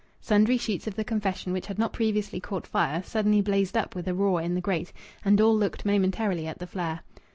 Sundry sheets of the confession, which had not previously caught fire, suddenly blazed up with a roar in the grate, and all looked momentarily at the flare.